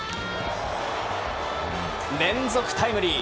連続タイムリー。